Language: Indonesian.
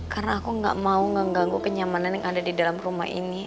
karena aku gak mau ganggu kenyamanan yang ada di dalam rumah ini